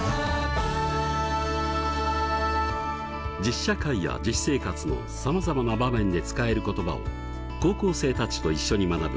実社会や実生活のさまざまな場面で使える言葉を高校生たちと一緒に学ぶ